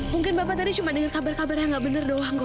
mungkin bapak tadi cuma denger kabar kabarnya gak bener doang